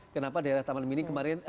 kenapa daerah taman mini kemarin